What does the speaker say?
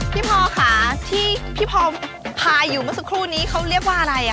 พี่พอค่ะที่พี่พอพายอยู่เมื่อสักครู่นี้เขาเรียกว่าอะไร